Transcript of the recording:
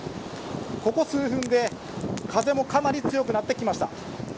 ここ数分で風もかなり強くなってきました。